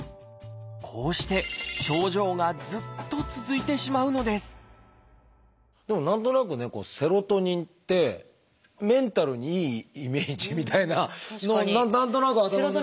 こうして症状がずっと続いてしまうのですでも何となくねセロトニンってメンタルにいいイメージみたいな何となく頭の中に。